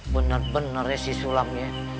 bener benernya si sulam ya